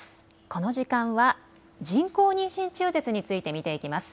この時間は人工妊娠中絶について見ていきます。